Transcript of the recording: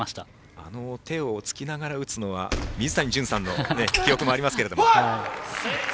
あの手をつきながら打つのは水谷隼さんの記憶もありますけど。